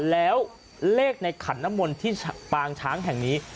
แล้วเลขในขันน้ำมนต์ที่ปางช้างแห่งนี้